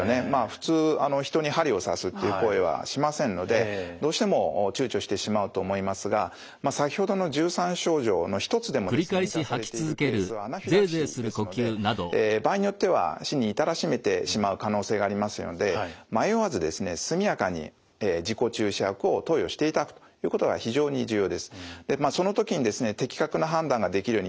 普通人に針を刺すっていう行為はしませんのでどうしても躊躇してしまうと思いますが先ほどの１３症状の一つでもですね満たされているケースはアナフィラキシーですので場合によっては死に至らしめてしまう可能性がありますので迷わず速やかに自己注射薬を投与していただくということが非常に重要です。